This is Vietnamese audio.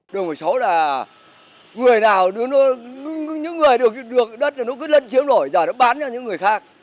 đường một mươi sáu là người nào những người được đất nó cứ lấn chiếm rồi giờ nó bán cho những người khác